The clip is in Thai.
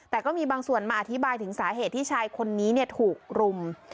แต่ก็มีบางส่วนมาอธิบายถึงสาเหตุที่ชายคนนี้ถูกรุม